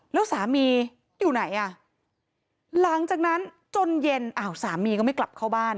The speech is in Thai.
แล้วสามีอยู่ไหนอ่ะหลังจากนั้นจนเย็นอ้าวสามีก็ไม่กลับเข้าบ้าน